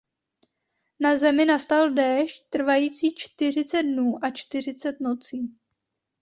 Na zemi nastal déšť trvající čtyřicet dnů a čtyřicet nocí.